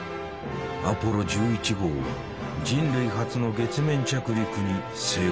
アポロ１１号は人類初の月面着陸に成功した。